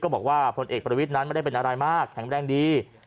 บอกว่าพลเอกประวิทย์นั้นไม่ได้เป็นอะไรมากแข็งแรงดี